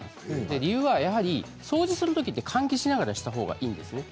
理由は掃除するときは換気しながらしたほうがいいです。